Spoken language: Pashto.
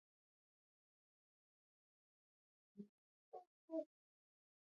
چرګان د افغانانو د معیشت سرچینه ده.